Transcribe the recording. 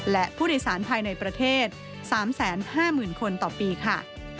และผู้โดยสารภายในประเทศ๓๕๐๐๐คนต่อปีค่ะ